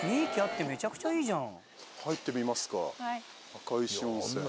赤石温泉。